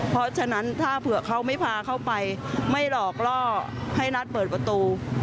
เพราะฉะนั้นถ้าเผื่อเขาไม่พาเขาไปไม่หลอกล่อให้นัทเปิดประตู